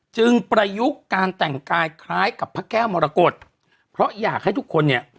ประยุกต์การแต่งกายคล้ายกับพระแก้วมรกฏเพราะอยากให้ทุกคนเนี่ย